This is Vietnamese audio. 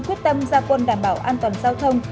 quyết tâm gia quân đảm bảo an toàn giao thông